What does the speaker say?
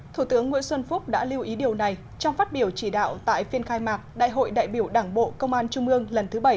thủ tướng nguyễn xuân phúc đã lưu ý điều này trong phát biểu chỉ đạo tại phiên khai mạc đại hội đại biểu đảng bộ công an trung ương lần thứ bảy